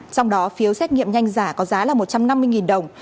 trong đó phiếu xét nghiệm nhanh giả có giá là một trăm năm mươi đồng